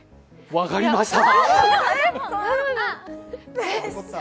分かりました！